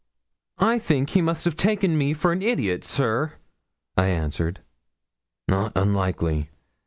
'I think he must have taken me for an idiot, sir,' I answered. 'Not unlikely.